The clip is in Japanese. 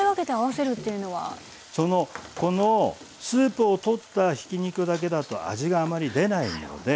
このスープをとったひき肉だけだと味があまり出ないので。